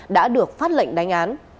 đã được phát lệnh đánh án